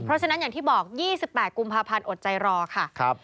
เพราะฉะนั้นอย่างที่บอก๒๘กุมภาพันธ์อดใจรอค่ะ